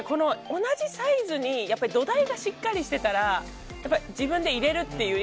同じサイズに土台がしっかりしていたら自分で入れるっていう。